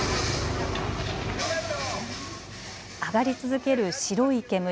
上がり続ける白い煙。